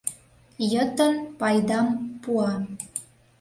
ЙЫТЫН ПАЙДАМ ПУА